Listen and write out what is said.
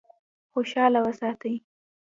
خوشاله وساتي.